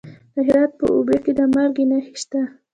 د هرات په اوبې کې د مالګې نښې شته.